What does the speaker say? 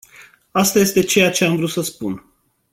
Asta este ceea ce am vrut să spun.